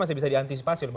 masih bisa diantisipasi